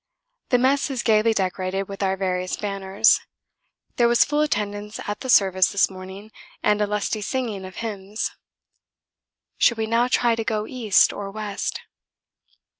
The mess is gaily decorated with our various banners. There was full attendance at the Service this morning and a lusty singing of hymns. Should we now try to go east or west?